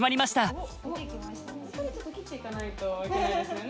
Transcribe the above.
ここでちょっと切っていかないといけないですよね。